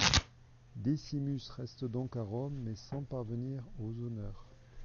Décimus reste donc à Rome, mais sans parvenir aux honneurs.